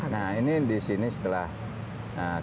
nah ini di sini setelah kita kaji